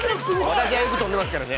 ◆私はよく跳んでますからね。